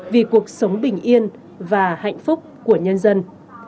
vì cuộc sống bình yên và hạnh phúc của nhân dân